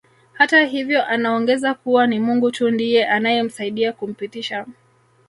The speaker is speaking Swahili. Hata hivyo anaongeza kuwa ni Mungu tu ndiye anayemsaidia kumpitisha